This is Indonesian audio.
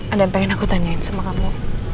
ada yang pengen aku tanyain sama kamu